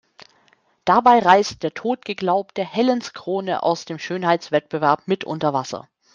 Dabei reißt der Totgeglaubte Helens Krone aus dem Schönheitswettbewerb mit unter Wasser.